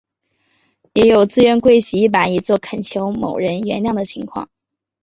也有自愿跪洗衣板以作恳求某人原谅的情况。